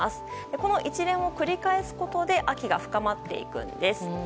この一連を繰り返すことで秋が深まっていきます。